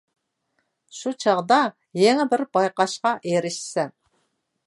شۇ چاغدا يېڭى بىر بايقاشقا ئېرىشىسەن.